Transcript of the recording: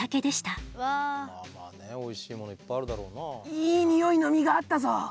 いいニオイの実があったぞ。